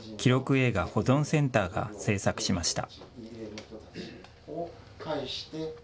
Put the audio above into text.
映画保存センターが制作しました。